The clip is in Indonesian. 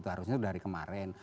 itu harusnya dari kemarin